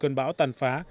cơn bão tàn phá